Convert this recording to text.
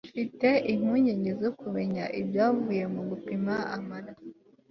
mfite impungenge zo kumenya ibyavuye mu gupima amaraso